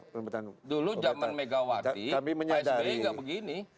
dulu zaman megawati psb enggak begini